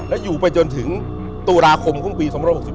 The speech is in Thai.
และอยู่ไปจนถึงตุลาคมของปี๒๖๔